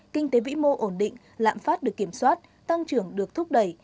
kinh tế vĩ mô ổn định lạm phát được kiểm soát tăng trưởng được thúc đẩy